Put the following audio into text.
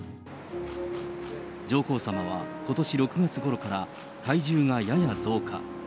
上皇さまはことし６月ごろから、体重がやや増加。